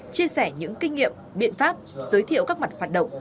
chia sẻ những kinh nghiệm biện pháp giới thiệu các mặt hoạt động